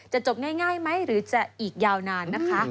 จบง่ายไหมหรือจะอีกยาวนานนะคะ